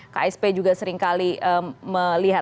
ksp juga seringkali melihat